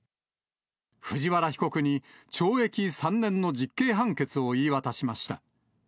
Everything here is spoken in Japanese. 藤原被告に懲役３年の実刑判決を言い渡しました。